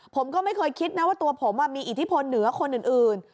ผมก็ไม่เคยคิดนะว่าตัวผมมีอิทธิพลเหนือคนอื่น